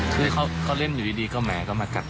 คือเขาก็เล่นอยู่ดีก็แหมก็มากัด